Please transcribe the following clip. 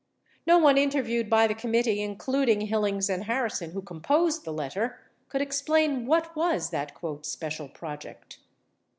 No one interviewed by the com mittee — including Hillings and Harrison who composed the letter — could explain what was that "special project."